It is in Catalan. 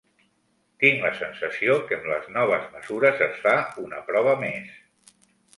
Tinc la sensació que amb les noves mesures es fa una prova més.